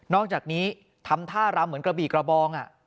อกจากนี้ทำท่ารำเหมือนกระบี่กระบอง